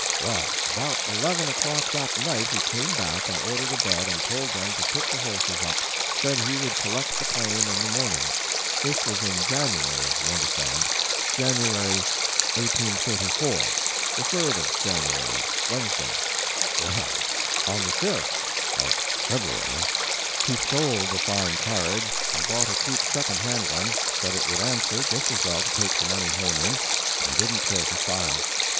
"Well, about eleven o'clock that night he came back and ordered a bed and told them to put the horses up said he would collect the claim in the morning. This was in January, you understand January, 1834 the 3d of January Wednesday. "Well, on the 5th of February, he sold the fine carriage, and bought a cheap second hand one said it would answer just as well to take the money home in, and he didn't care for style.